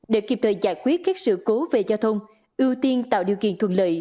để kịp thời giải quyết các sự cố về giao thông ưu tiên tạo điều kiện thuận lợi